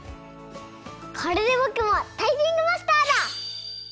これでぼくもタイピングマスターだ！